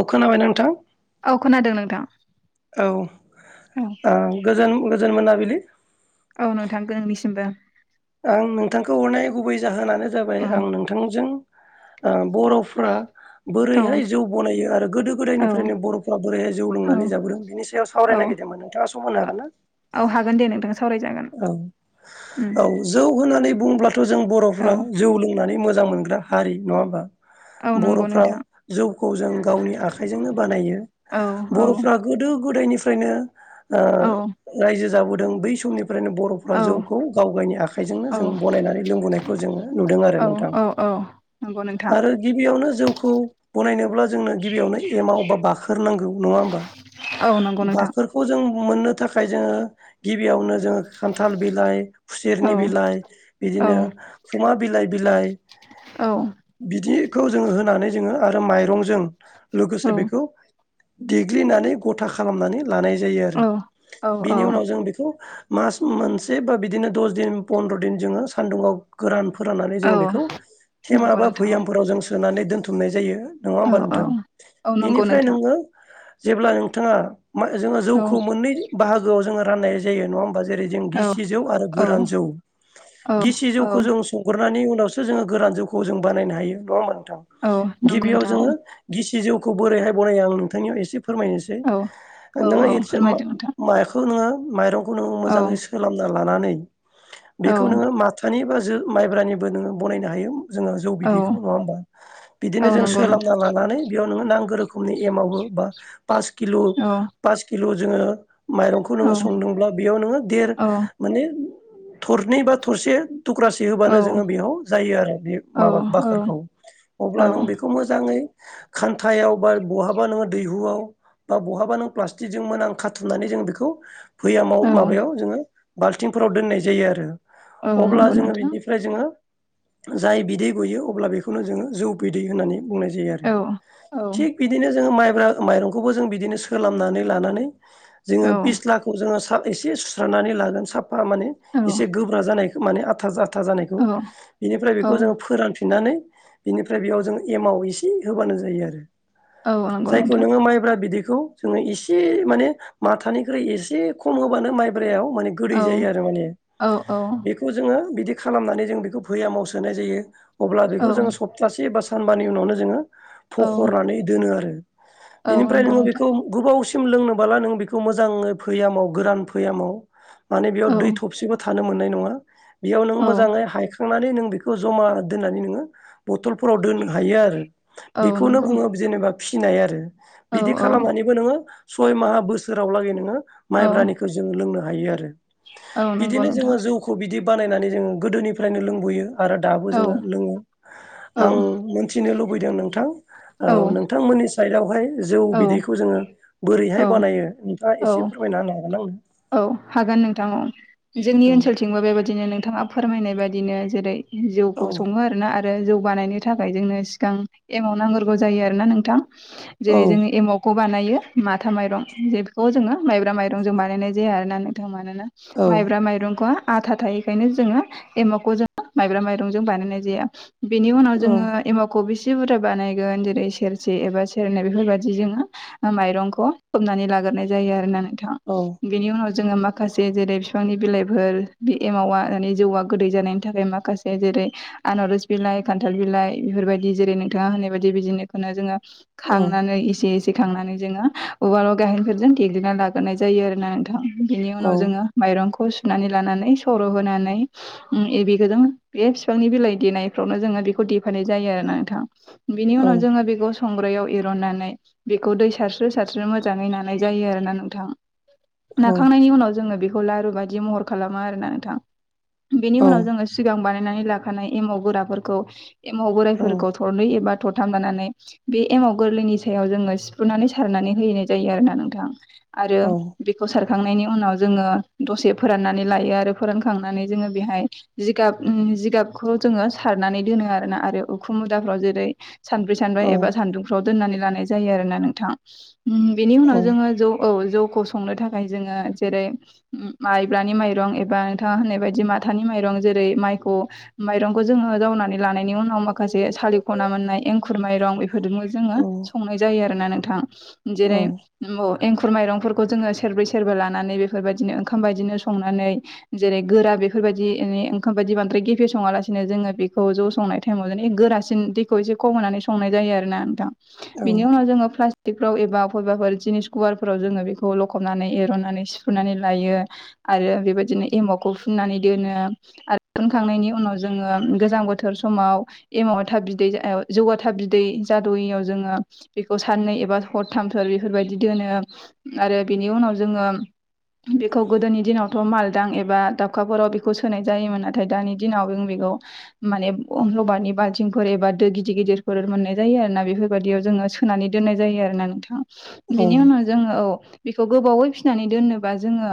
औ खोनाबाय नोंथां औ खोनादों नोंथां औ औ गोजोन गोजोन मोनाबिलि औ नोंथां नोंनिसिमबो आं नोंथांखौ हरनाय गुबै जाहोनानो जाबाय औ आं नोंथांजों बर'फ्रा औ बोरैहाय जौ बनायो आरो गोदो औ गोदायनिफ्रायनो बर'फोरा्रा बोरैहाय जौ औ लोंनानै जाबोदों बेनि सायाव औ सावरायनाय गिरदों दा नोंथाङा सम होनो हागोन ना औ हागोन दे नोंथां सावरायनो औ औ जौ होननानै बुङोबब्लाथ' जों औ बर'फ्रा जौ लोंनानै मोजां मोजां मोनग्रा हारि नङा होमबा औ नंगौ बरफ्रा नोंथां जौखौ जों गावनि आखाइजोंनो बानायो औ औ बरफ्रा गोदो गोदायनि फ्रायनो औ रायजो ओ जाबोदों बै समनि बेओनो बरफ्रा औ जौखौ गाव गावनि आखाइजोंनो औ जों बनायनानै लोंबोनायखौ जोङो नुदों आरो औ नोंथां औ औ नंगौ नोंथां आरो गिबियावनो जौखौ बनायनोब्ला जोंनो गिबियावनो एमाव बा बाखोरनांगौ नङा होनबा औ नंगौ नोंथां बाखोरखौ जों मोननो थाखाय जोङो गिबियावनो जोङो खान्थाल बिलाइ औ खुसेरनि बिलाइ औ बिदिनो खुमा बिलाइ बिलाइ औ बिदिखौ जोङो होनानै जोङो आरो माइरंजों लोगोसे बेखौ देग्लिनानै गथा खालामनानै लानाय जायो आरो औ औ बिनि उनाव औ जों बेखौ मास मोनसे बा बिदिनो दस दिन पन्द्र दिन जोङो सान्दुंङाव गोरान फोराननानै औ जोङो बेखौ थेमा नंगौ बा नोंथां भैयामफोराव जों सोनानै दोन्थुमनाय जायो नङा औ होमबा औ नोंथां औ नंगौ बिनिफ्राय नोंथां नोङो जेब्ला नोंथाङा जोङो औ जौखौ मोननै बाहागोआव जोङो राननाय जायो नङा होमा जेरै जों औ गिसि जौ आरो औ गोरान जौ औ गिसि जौखौ जों ग्रानि उनावसो जों गोरान जौ खौ बखनायनो हायो नङा औ नंगौ होनबा नोंथां जौखौ बोरैहाय बरै आं नोंथांनियाव एसे फोरमायनोसै औ औ औ नोङो फोरमायदो नोंथां माखौ नोङो माइरंखौ नो औ जाङै सोलाबना लानानै बेखौ औ नोङो माथानि जो माइब्रानिबो नोङो बनायनो हायो जोङो जौ औ बिदैखौ नङा होमबा बिदिनो औ जों नंगौ नोंथां सोलाबना लानानै बेयाव नोङो नांगोरोखौ खमनि एमावबो बा पास किल' औ पास किल' जोङो माइरंखौ औ नोङो संदोंब्ला बेयाव नोङो देर औ माने थरनै बा थरसे थुख्रासे औ होबानो जोङो बेयाव जायो आरो बे औ माबा बाखारखौ औ अब्ला नों बेखौ मोजाङै खान्थायाव बा बहाबा नोङो दैहुआव बा बहाबा नों प्लास्टिकजों मोनां खाथुमनानै जों बेखौ फैयामाव औ माबायाव जोङो बाल्थिंफोराव दोननाय जायो आरो औ अब्ला नंगौ जोङो नोंथां बिनिफ्राय जोङो जाय बिदै गयो अब्ला बेखौनो जोङो जौ बिदै होननानै बुंनाय जायो आरो औ औ थिग बिदिनो जोङो माइब्रा माइरंखौबो जों बिदिनो सोलानानै लानानै जोङो औ फिस्लाखौ जोङो एसे सुस्रनानै लागोन साफा माने औ एसे गोब्रा जानायखौ माने आथा जथा जानायखौ बिनिफ्राय औ बेखौ जोङो फोरानफि फिननानै बिनिफ्राय बेयाव जों एमाव एसे होबानो जायो आरो औ नंगौ जायखौ नोंथां नोङो माइब्रा बिदि बेखौ जोङो एसे माने माथानिख्रुइ एसे खम होबानो माइब्रायाव गोदै औ जायो आरो माने औ औ बेखौ जोङो बिदि खालामनानै जों बेखौ फैयामाव सोनाय जायो अब्ला बेखौ औ जोङो सप्तासे बा सानबानि उनावनो जोङो औ फखरनानै दोनो आरो बिनिफ्राय नंगौ नोङो बेखौ नोंथां औ गोबाव लोंनो नों बेखौ मो फैय गोरान फैयाव माने बेयाव दै थबसेबो थ थानो मोननाय नङा बेयाव नोङो औ मोजाङै हाइ खांनानै नों बेखौ जमा दोननानै नोङो बथलफोराव दोननो हायो आरो औ बेखौनो नंगौ बुङो जेनेबा फिनाय आरो औ बिदि औ खालामनानैबो नोङो सय माहा बोसोरावलागै नोङो औ माइब्रानिखौ जोङो लोंनो हायो आरो औ नंगौ बिदिनो नोंथां जोङो जौखौ बिदि बानायनानै जोङो गोदोनिफ्रायनो लोंबोयो आरो दाबो औ जोङो लोङो औ आं मोनथिनो लुबैदों नोंथां औ नोंथांमोननि साइडआवहाय जौ औ बिदैखौ जोङो बोरैहाय औ बानायो नोंथाङा एसे औ फोरमायना हागोन आं औ हागोन नोंथां औ जोंनि ओनसोलथिंबो बेबायदिनो नोंथ नोंथाङा फोरमायनाय बायदिनो जेरै औ जौखौ सङो आरोना आरो आरो जौगानायनो थाखाय जोंनो सिगां एमाव नांग्रोगौ जायो आरोना नोंथां औ जेरै जोङो एमावखौ बानायो माथा माइरं जेखौ जोङो माइब्रा माइरंजों बानायनाय जायो जे आरोना नोंथां मानोना औ माइब्रा माइरंखौ आथा थायैखायनो जोङो एमाखौ जोङो माइब्रा माइरंजों बानायनाय जाया बेनि उनाव जोङो एमावखौ बेसे बुरजा बानायगोन जेरै सेरसे एबा सेरनै बेफोरबाददि जोङो माइरंखौ खोबनानै लाग्रो नाय जायो आरोना नोंथां औ बेनि उनाव जोङो माखासे जेरै फिफांनि बिलाइफोर बे एमावा मे जौआ गोदै जानायनि थाखाय माखासे जेरै आनारस बिलाइ खान्थाल बिलाइ बेफोरबायदि जेरै नोंथाङा होननाय बायदि बिदिनोखौनो जोङो औ खांनानै एसे एसे खांनानै जोङो उवाल बा गाहेनफोरजों गेग्लिना लाग्रोनाय जायो आरो नोंथां बिनि औ उनाव जोङो माइरंखौ सुनानै लानानै सर' होनानै बेखौ जों बे बिफांनि बिलाइ देनायफ्रावनो जोङो बेखौ देफानाय जायो आरोना नोंथां बेनि औ उनाव जोङो बेखौ सं संग्रायाव एरननानै बेखौ दै सारस्रो सारस्रो मोजाङै नानाय जायो आरोना नोंथां औ नाखांनायनि उनाव जोङो बेखौ लारु बायदि महर खालामो आरोना नोंथां बेनि औ उनाव जोङो सिगां बानायनानै लाखानाय एमाव गोराफोरखौ एमाव बोराइफोरखौ थरनै एबा थरथाम लानानै बे एमाव गोरलैनि सायाव जोङो सिफ्रुनानै सारनानै होयैनाय जायो आरोना नोंथां आरो औ बेखौ सारखांनायनि उनाव जोङो दसे फोरानखांनानै लायो आरो फोरानखांनानै जोङो बेहाय जिगाब जिगाबखौ जोङो सारनानै दोनो आरोना आरो उखु मुदाफ्राव जेरै सानब्रै सानबा एबा सानदुंफ्राव दोननानै लानाय जायो आरोना नोंथां बिनि उनाव जोङो जौ औ जौखौ संनो थाखाय जोङो जेरै माइब्रानि माइरं एबा नोंथाङा होननाय बायदि माथानि माइरं जेरै जेरै माइखौ माइरंखौ जोङो जावनानै लानायनि उनाव माखासे सालि खना मोननाय एंखुर माइरं इफोरजोंबो जोङो औ संनाय जायो आरोना नोंथां जेरै औ ओ एंखुर माइरंफोर खौ जोडों सेरब्रै सेरबा लानानै बेफोरबायदिनो ओंखाम बायदिनो संनानै जेरै गोरा बेफोरबायदि ओंखाम बायदि बांद्राय गेफे सङालासिनो जोङो बेखौ ज' संनाय टाइमाव गोरासिन दैखौ एसे खम होनानै सं संनाय जायो आरोना नोंथां बेनि उनाव जोङो प्लासटिक फोराव एबा बबेबा जिनिस गुवार फोराव जोङो बेखौ बेखौ लखबनानै एरननानै सिफ्रुनानै लायो आरो बेबायदिनो एमावखौ फुननानै दोनो आरो दुनखांनायनि उनाव जोङो गोजां बोथोर समाव एमावा थाब बिदै जौआ थाब बिदै जाद'यियाव जोङो बेखौ साननै एबा हरथामफोर बेफोरबायदि दोनो आरो बिनि उनाव जोङो बेखौ गोदोनि दिनावथ' मालदां एबा दाबखाफोराव बेखौ सोनाय जायोमोन नाथाय दानि दिनाव बे बेगं माने रबारनि बालथिंफोर एबा दो गिदिर गिदिरफोर मोननाय जायो आरोना बेफोरबायदियाव जोङो सोनानै दोननाय जायो आरोना नोंथां बिनि उनाव जोङो औ बेखौ गोबावै फिनानै दोनोबा जोङो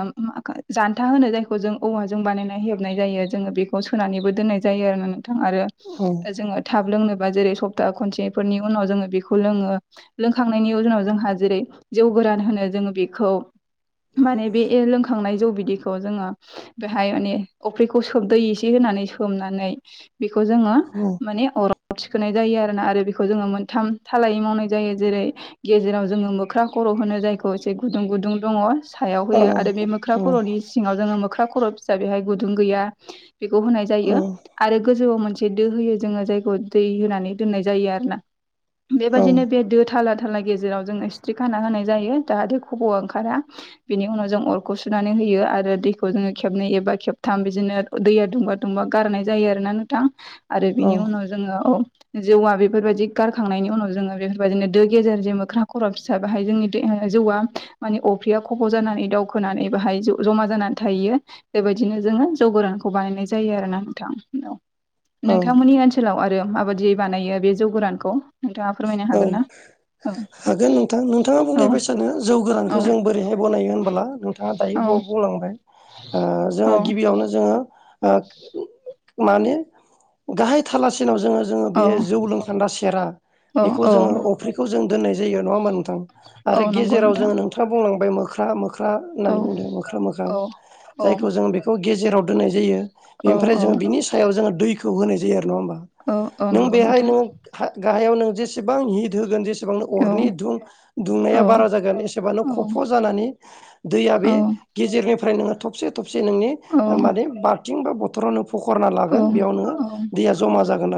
जान्था होनो जायखौ जों औवाजों बानायना हेबनाय जायो जोङो बेखौ सोनानैबो दोननाय जायो आरोना नोंथां जोङो थाब लोंनो बा जेरै सफ्ता खनसे फोरनि उनाव जोंङो बेखौ लोङो लोंखांनायनि उनाव जोंहा जेरै जौ गोरान होनो जोङो बेखौ माने बे लोंखांनाय जौ बिदैखौ जोङो बेहाय माने अफ्रिखौ सोबदै एसे होना नानै सोमनानै बेखौ जोङो माने अराव थिखोनाय जायो आरोना आरो बेखौ जोङो मोनथाम थालायै मावनाय जायो जेरै गेजेराव जोङो मोख्रा ख खर' होनो जायखौ एसे गुदुं गुदुं दङ सायाव होयो औ आरो बे मोख्रा खर'नि सिङाव जोङो मोख्रा खर' फिसा बेहाय गुदुं गैया बेखौ होनाय जायो आरो गोजौआव मोनसे दो होयो जोङो जायखौ दै होनानै दोननाय जायो आरोना बेबायदिनो बे दो थाला थाला गेजेराव जोंङो सिथ्रि खाना होनाय जायो जाहाथे खब'आ ओंखारा बेनि उनाव जों अरखौ सुनानै होयो आरो दैखौ जोङो खेबनै एबा खेबथाम थाम बिदिनो दैया दुंबा दुंबा गारनाय जायो आरोना नोंथां आरो बिनि उनाव जोङो जौवा बेफोरबायदि गारखांनायनि उनाव जोङो बेफोरबायदिनो दो गेजेर जे मोख्रा खर' फिसा बेाहाय जोंनि जौवा माने अफ्रिया खब' जानानै दावउखोनानै बाहाय जमा जानानै थाहैयो बेबायदिनो जोङो जौ गोरानखौ बानायनाय जायो आरोना नोंथां औ नोंथांमोननि ओनसोलाव आरो माबादियै बानायो बे जौ गोरानखौ नोंथाङा फोरमायनो औ हागोन ना? औ हागोन नोंथां नोंथाङा औ बुंलायबायसानो जौ औ गोनांखौ जों बोरैहाय बनायो होनबोला नोंथाङा दायो औ बयाव बुंलांबाय ओ औ जोङो गिबियावनो जोङो माने गाहाय थालासिनाव जोङो जोङो बे औ जौ लोंखान्दा सेरा औ बेखौ जोङो औ अफ्रिखौ जों दोन्नाय जायो नङा होमबा नोंथां औ आरो नंगौ गेजेराव नोंथां जोङो नोंथाङा बुंलांबाय मोख्रा मोख्रा मोख्रा औ होननानै बुंदों मोख्रा मोखां औ औ जायखौ जों बेखौ गेजेराव दोननाय जायो। औ बेनिफ्राय औ जोङो बिनि सायाव जोङो दैखौ होनाय जायो आरो नङा होमबा औ औ नों नंगौ बेहाय नोंथां नोङो गाहायाव नों जेसेबां हिद होगोन जे एसेबांनो औ अरनि दुं दुंनाया औ बारा जागोन एसेबानो औ खफ' जानानै दैया औ बे गेजेरनिफ्राय नोङो थबसे थबसे नोंनि औ माने बाल्थिं बा बथरावनो सखरना औ लागोन बेयावनो दैया जामा जोन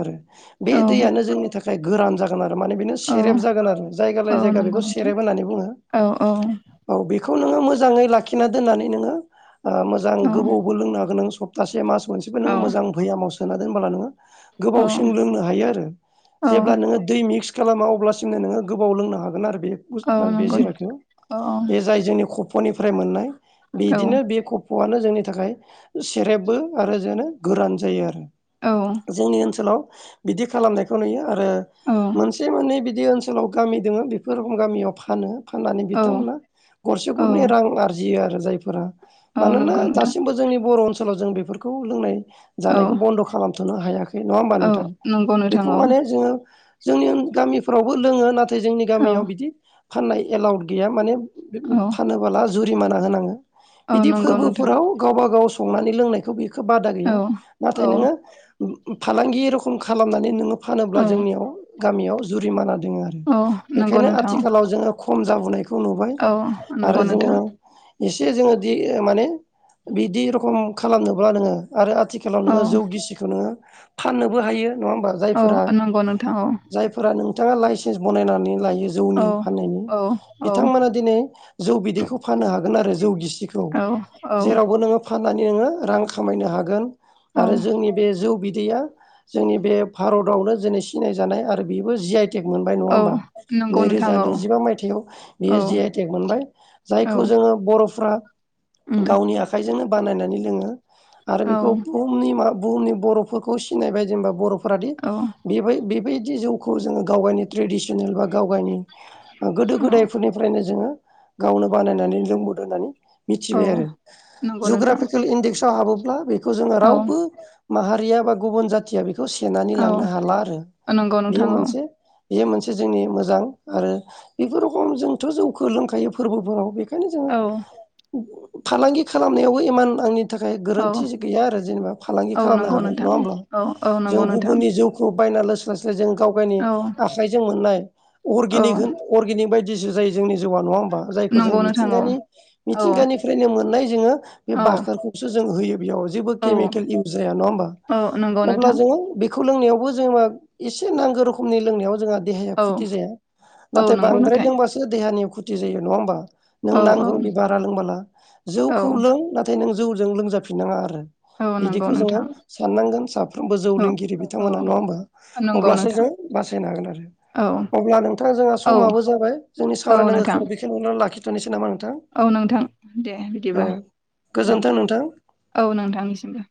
बे औ दैनो जोंनि थाखाय गोरान जा थार मानो बेनो औ सेरेब जागोन आरो जायगा लायै औ जायगा नंगौ बेखौ नोंथां सेरबनानै बुङो औ औ औ बे खौनो मोजां लाखिनानैनानै नो औ मोां गोबावबो लनो होन्तासे मास खनसेबो मोजां बयामाव सोना दोनोब्ला नोङो गोबावसिम लोंनो हायो आरो औ जेब्ला नोङो दै मिक्स खालामा अब्लासिमनो नोङो गोबाव लोंनो हागोन आरोखि औ बे बे नंगौ जिरायख औ बे जाय जोंनि खफ'निफ्राय मोननाय [unintelligible] औ बिदिनो बे ख्फ'आनो जोंनि थाखाय सेरेबबो आरो जोंनो गोरान जायो आरो औ औ जोंनि ओनसोलाव बिदि खालामनायखौ नुयो आरो ब मोननै बिदि ओनसोलाव गामि दोङो बेफोर रोखोम गामियाव फानो फाननानै बिथांमोना गरसे गरनै औ रां आरजियो आरो जायफोरा औ मानोना नंगौ नोंथां दासिमबो जोंनि बर' ओनसोलाव जों बेफोरखौ लोंनाय औ जानायखौ बन्द' खालाम थ'नो हायाखै नङा हबा औ नोंथां नंगौ नोंथां बेखौ औ माने जोङो जोंनि गामिफ्रावबो लोङो ना थाय जोंनि औ गामियाव बिदि फाननाय एलाउद गैया माने औ फानबोला जुरिमाना होनाङो औ बिदि नंगौ नोंथां फोरबोफोराव गावबा गाव संनानै लोंनायखौ बेखो बादा औ गैया नाथाय औ नोङो फालांगि रखम खालामनानै नोङो फानोब्ला औ जोंनियाव गामियाव जुरिमाना दङो आरो औ नंगौ बेखायनो नोंथां आथिखालाव जोङो खम जाबोनायखौ नुबाय औ नंगौ आरो नोंथां जोङो एसे जोङो दि माने बिदि रखम खालामनोब्ला नोङो आरो आ थिखालाव औ नोङो जौ गिसिखौ नोङो फाननोबो हायो नङा होमबा औ जायफोरा नंगौ नोंथां औ फोर नोंथाङा लाइसेन्स बनायनानै लायो। जौनि औ फाननायनि औ औ बिथांमोना दिनै जौ बिदैखौ फाननो हागोन आरो जौ गिसि खौ औ औ जेरावबो नोङो फाननानै नोङो रां खामायनो हागोन। औ आरो जोंनि बे जौ बिदैया जोंनि बे भारतावनो दिनै सिनाय जानाय आरो बेबो जि आइ टेक मोनबाय नङा औ होमबा नंगौ नै नोंथां रोजा औ नैजिबा मायथाइयाव औ बियो जि आइ टेक मोनबाय औ जायखौ जों बर' फ्रा उम गावनि आखजोंनो बानायनानै लोङो आरो औ बे बुहुमनि मा बुहुमनि बर'फोरखौ सिनायबाय जेनेबा बर'फोराादि औ बेबाय बे बायदि जौखौ जोङो गाव गावनि ट्रेडिसनेल बा गाव गावनि गोदो औ गोदायफोरनिफ्रायनो जोङो गावनो बानायनानै लोंबोदों होननानै औ मिथिबाय आरो नंगौ नोंथां जग्राफिकेल इडेक्स हाबोब्ला बेखौ जोङो औ रावबो माहारिया बा गुबुन जाथिया बे खौ सेनानै औ लांनो हाला आरो नंगौ बेयो नोंथां औ मोनसे बेयो मोनसे जोंनि मोजां आरो बेफोर रखम जोंथ' जौखौ लोंखायो फोरबोफोराव बे खायनो जोङो औ फालांगि खालामनायावबो इमान आंनि थाखाय औ गोरोन्थि गैया आरो जेनेबा फालांगि औ खालामनो नंगौ हागोन नङा नोंथां होमब्ला औ औ जों नंगौ नोंथां गुबुननि जौखौ बायना लोंस्लाय स्लाय जों गाव गावनि औ आखाइजों मोननाय औ अरगेनिक होन अर्गेनिक बाय जि जुजाय जोंनि जौआ नङा होमबा जायखौ जों नंगौ नोंथां मिथिंगानि औ औ मिथिंगानिफ्रायनो मोननाय जोङो बे औ बाखोरखौसो जों होयो बेयाव जेबो औ केमिकेल इउस जाया नङा होमबा औ नंगौ अब्ला नोंथां जोङो बेखौ लोंनायावबो जोङा एसे नांगौ रोखोमनि लोंनायाव जोंहा देहाया औ खुथि जाया औ नाथाय नंगौ बांद्राय नोंथां लोंबासो देहानि खुथि थि जायो नङाहमबा औ औ लोंनांगौनि बारा लोंबाला औ जौखौ लों नाथाय नों जौजों लोंजाफिननाङा आरो औ नंगौ बिदिखौ जोङो नोंथां साननांगोन साफ्रोमबो जौ औ लोंगिरि बिथांमोना नङा औ होमबा नंगौ अब्लासो नोंथां जों बासायनो हागोन औ आरो अब्ला नोंथाङा जोंहा औ समाबो जाबाय जोंनि औ सावरायनांगौ नोंथां खो बेखौ नुनानै लाखिथ'नोसै नामा नोंथां औ नोंथां दे औ बिदिब्ला औ गोजोन्थों नोंथां औ नोंथांनिसिमबो